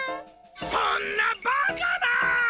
そんなバカな！